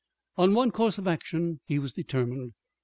On one course of action he was determined.